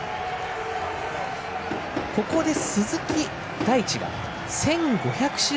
ここで鈴木大地が１５００試合